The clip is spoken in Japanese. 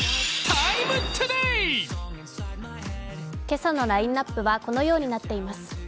今朝のラインナップはこのようになってます。